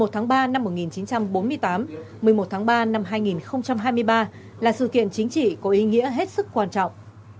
một mươi tháng ba năm một nghìn chín trăm bốn mươi tám một mươi một tháng ba năm hai nghìn hai mươi ba là sự kiện chính trị có ý nghĩa hết sức quan trọng